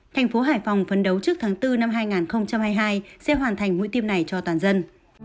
thành phố hải phòng phấn đấu trước tháng bốn năm hai nghìn hai mươi hai sẽ hoàn thành mũi tiêm này cho toàn dân